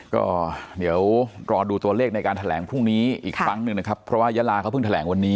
ก็เดี๋ยวรอดูตัวเลขในการแถลงพรุ่งนี้อีกครั้งหนึ่งนะครับเพราะว่ายาลาเขาเพิ่งแถลงวันนี้